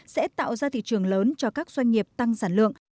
sẽ tạo ra thị trường lớn cho các doanh nghiệp tăng sản lượng